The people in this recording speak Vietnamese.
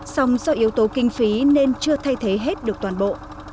song do yếu tố kinh phí nên chưa thay thế hết được toàn bộ